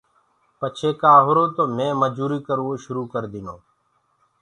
پڇي ڪآ هُرو تو مي مجدٚري ڪروو شروٚ ڪر ديٚنو۔